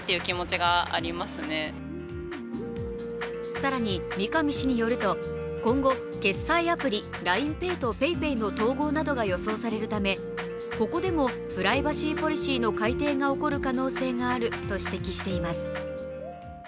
更に、三上氏によると、今後、決済アプリＬＩＮＥＰａｙとＰａｙＰａｙの統合などが予想されるため、ここでもプライバシーポリシーの改訂が起こる可能性があると指摘しています。